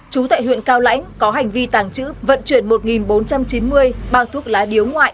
chú tại huyện cao lãnh có hành vi tàng trữ vận chuyển một bốn trăm chín mươi bao thuốc lá điếu ngoại